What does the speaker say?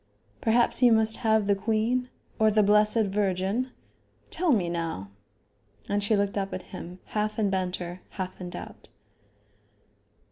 Perhaps you must have the queen or the Blessed Virgin? Tell me now?" And she looked up at him, half in banter, half in doubt.